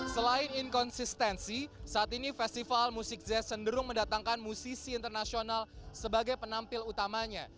selain inkonsistensi saat ini festival musisi jazz senderung mendatangkan musisi internasional sebagai penampil utamanya